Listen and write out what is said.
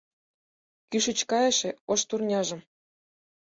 Кӱшыч кайыше ош турняжым